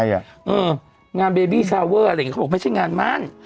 งานเบบี้ชาวเวอร์อะไรอย่างนี้เขาบอกไม่ใช่งานมั่น